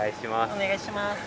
お願いします。